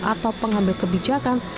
atau pengambil kebijakan